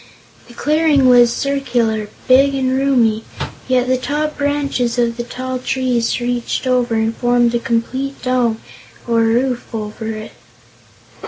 The clearing was circular, big and roomy, yet the top branches of the tall trees reached over and formed a complete dome or roof for it.